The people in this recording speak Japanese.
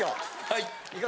はい。